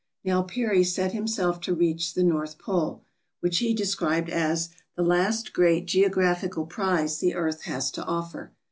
Now Peary set himself to reach the north pole, which he described as "the last great geographical prize the earth has to offer."